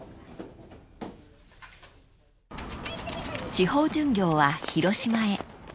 ［地方巡業は広島へ］